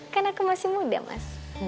karena aku masih muda mas